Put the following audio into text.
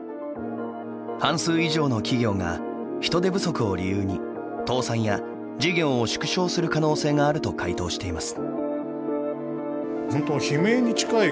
半数以上の企業が人手不足を理由に倒産や事業を縮小する可能性があると回答しています。